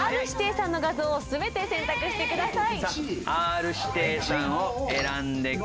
さんの画像を全て選択してください。